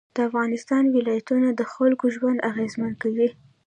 د افغانستان ولایتونه د خلکو ژوند اغېزمن کوي.